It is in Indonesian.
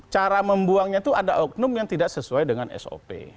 cara membuangnya itu ada oknum yang tidak sesuai dengan sop